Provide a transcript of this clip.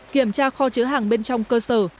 kiểm tra kho chứa hàng bên trong cơ sở